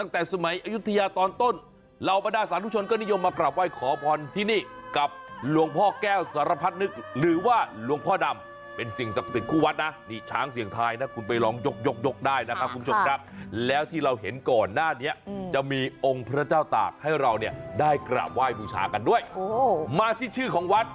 ทำไมหรือลูกเก่าหรือ